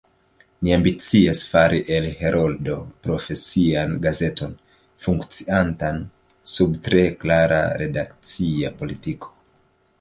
Ni ambicias fari el Heroldo profesian gazeton, funkciantan sub tre klara redakcia politiko.